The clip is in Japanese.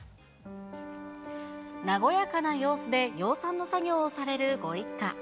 和やかな様子で養蚕の作業をされるご一家。